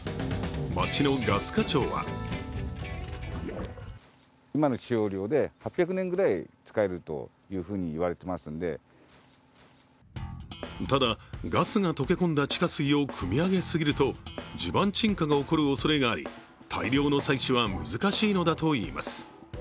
町のガス課長はただ、ガスが溶け込んだ地下水をくみ上げすぎると地盤沈下が起こるおそれがあり大量の採取は難しいのだといいます。